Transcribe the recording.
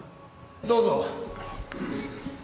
どうぞ。